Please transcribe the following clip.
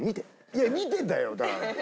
いや見てたよだから。